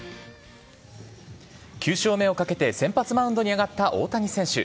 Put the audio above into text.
９勝目を懸けて先発マウンドに上がった大谷選手。